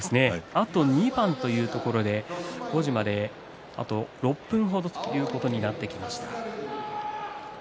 あと２番というところで５時まであと６分程ということになってきました。